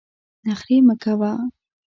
نخرې مه کوه !